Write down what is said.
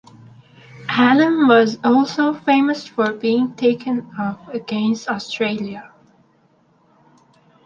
Allen was also famous for being taken off against Australia.